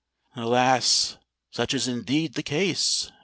"Alas! such is indeed the case!"